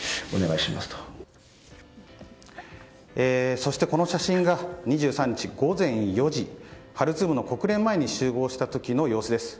そして、この写真が２３日午前４時ハルツームの国連前に集合した時の様子です。